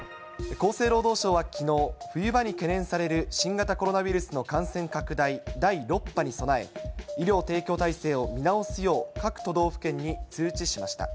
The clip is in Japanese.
厚生労働省はきのう、冬場に懸念される新型コロナウイルスの感染拡大第６波に備え、医療提供体制を見直すよう、各都道府県に通知しました。